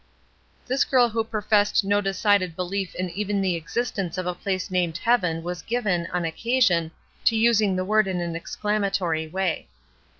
This girl who professed no decided beUef in even the existence of a place named heaven was given, on occasion, to using the word in an exclamatory way.